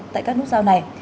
tại các nút giao này